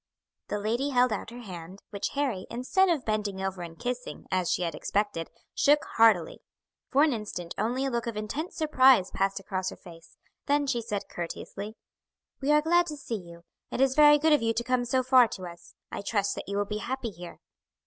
The lady held out her hand, which Harry, instead of bending over and kissing, as she had expected, shook heartily. For an instant only a look of intense surprise passed across her face; then she said courteously: "We are glad to see you. It is very good of you to come so far to us. I trust that you will be happy here."